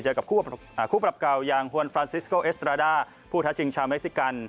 เจอกับคู่ปรับเก่ายังหวันฟรานซิสโกเอสดราด้าผู้ทัชิงชาวเมริกา